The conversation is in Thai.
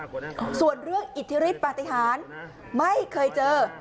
ส่วนเรื่องอิทธิฤทธิปฏิหารไม่เคยเจอ